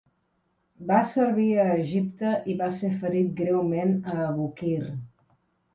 Va servir a Egipte i va ser ferit greument a Aboukir.